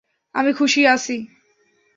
আমি খুশিই আছি।